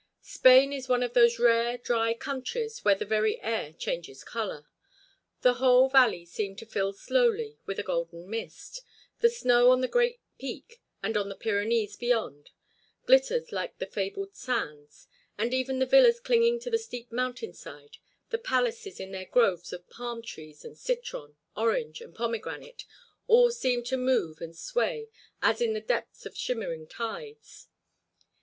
Spain is one of those rare, dry countries where the very air changes color. The whole valley seemed to fill slowly with a golden mist, the snow on the great peak and on the Pyrenees beyond glittered like the fabled sands, and even the villas clinging to the steep mountain side, the palaces in their groves of palm trees and citron, orange, and pomegranate, all seemed to move and sway as in the depths of shimmering tides.